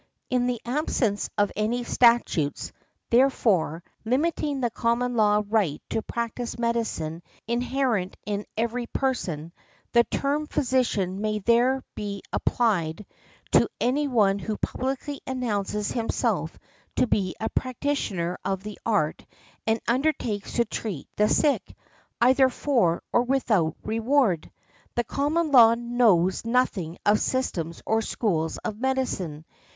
In the absence of any statutes, therefore, limiting the common law right to practise medicine inherent in every person, the term physician may there be applied to any one who publicly announces himself to be a practitioner of the art and undertakes to treat the sick, either for or without reward. The common law knows nothing of systems or schools of medicine.